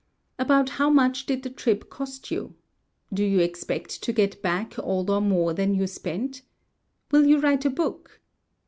"About how much did the trip cost you? Do you expect to get back all or more than you spent? Will you write a book?